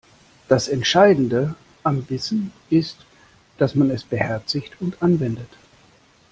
Das Entscheidende am Wissen ist, dass man es beherzigt und anwendet.